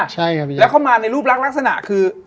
แล้วเขามาในรูปรักลักษณะคือ